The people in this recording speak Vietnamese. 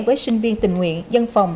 với sinh viên tình nguyện dân phòng